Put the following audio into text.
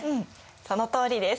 そのとおりです。